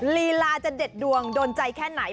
ลีลาจะเด็ดดวงโดนใจแค่ไหน